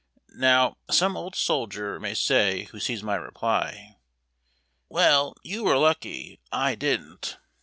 Now, some old soldier may say who sees my reply, " Well, you were lucky. I didn't."